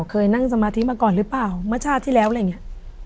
เคยนั่งสมาธิมาก่อนหรือเปล่าเมื่อชาติที่แล้วอะไรอย่างนี้